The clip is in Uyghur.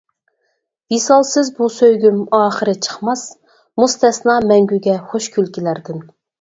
ۋىسالسىز بۇ سۆيگۈم ئاخىرى چىقماس، مۇستەسنا مەڭگۈگە خۇش كۈلكىلەردىن.